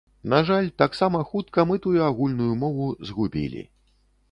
На жаль, таксама хутка мы тую агульную мову згубілі.